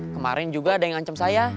kemarin juga ada yang ngancam saya